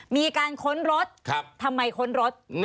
มีการค้นรถทำไมค้นรถ